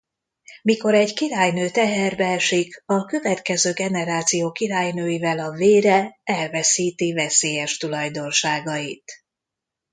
Mikor egy Királynő teherbe esik a következő generáció Királynőivel a vére elveszíti veszélyes tulajdonságait.